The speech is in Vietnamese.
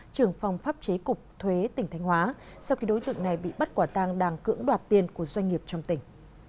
trưởng phòng pháp chế cục thuế tỉnh thanh hóa sau khi đối tượng này bị bắt quả tàng đàng cưỡng đoạt tiền của doanh nghiệp trong tỉnh